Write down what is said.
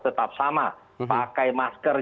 tetap sama pakai masker